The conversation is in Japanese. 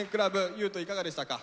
優斗いかがでしたか？